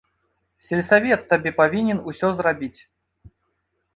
Сельсавет табе павінен усё зрабіць!